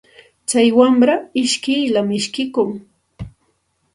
Tsay wamra ishkiyllam ishkikun.